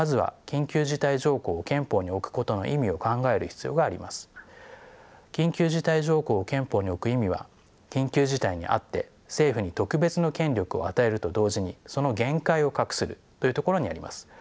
緊急事態条項を憲法に置く意味は緊急事態にあって政府に特別の権力を与えると同時にその限界を画するというところにあります。